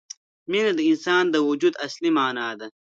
مینه د انسان د وجود اصلي معنا ده.